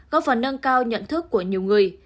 có phần nâng cao nhận thức của nhiều người